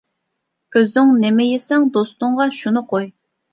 ئۆزۈڭ نېمە يېسەڭ، دوستۇڭغا شۇنى قوي.